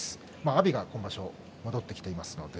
阿炎が今場所戻ってきていますので